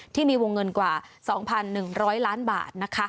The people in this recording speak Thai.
ที่มีวงเงินกว่า๒๑๐๐ล้านบาทนะคะ